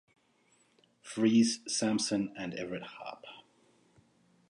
Freeze, Samson, and Everette Harp.